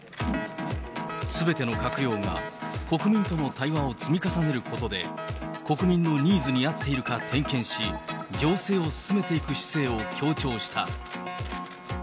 すべての閣僚が国民との対話を積み重ねることで、国民のニーズに合っているか点検し、行政を進めていく姿勢を強調した。